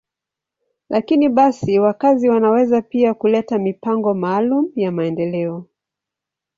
Lakini basi, wakazi wanaweza pia kuleta mipango maalum ya maendeleo.